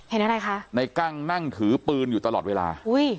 เห็นอะไรคะในกั้งนั่งถือปืนอยู่ตลอดเวลาอุ้ย